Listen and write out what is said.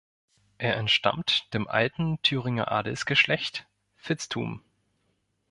Er entstammt dem alten Thüringer Adelsgeschlecht Vitzthum.